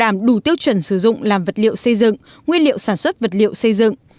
nguyên liệu xây dựng nguyên liệu sản xuất vật liệu xây dựng